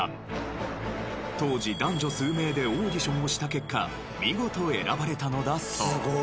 当時男女数名でオーディションをした結果見事選ばれたのだそう。